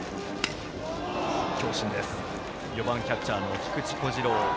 ４番キャッチャーの菊池虎志朗。